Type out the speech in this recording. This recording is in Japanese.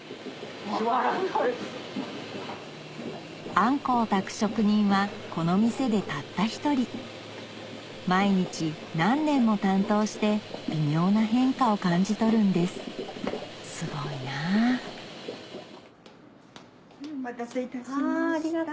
あんこを炊く職人はこの店でたった１人毎日何年も担当して微妙な変化を感じ取るんですすごいなぁお待たせいたしました。